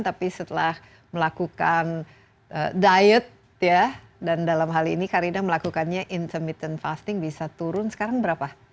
tapi setelah melakukan diet ya dan dalam hal ini karida melakukannya intermittent fasting bisa turun sekarang berapa